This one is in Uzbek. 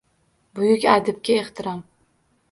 Buyuk adibga ehtirom